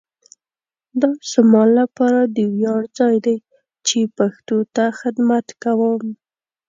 دا زما لپاره د ویاړ ځای دی چي پښتو ته خدمت کوؤم.